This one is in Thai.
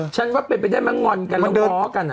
ฉันว่าไปได้มาง่อนกันแล้วเบาะกัน